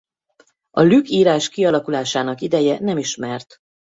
A lük írás kialakulásának ideje nem ismert.